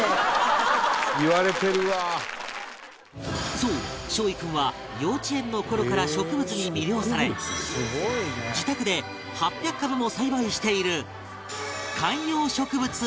そう梢位君は幼稚園の頃から植物に魅了され自宅で８００株も栽培している